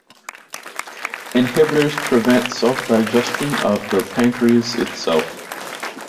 Inhibitors prevent self-digestion of the pancreas itself.